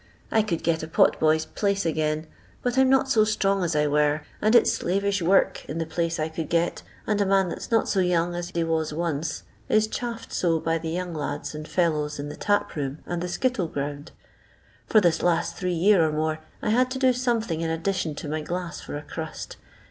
I could get a pot boy's place again, but I 'm not so strong as I were, and it's slavish work in the place I could get; and a man that's not so young as he was once is chaffed so by the young lads and fellows in the tip room and the skittle ground. For this last three year or more I had to do something in ad dition to my glass for a crust.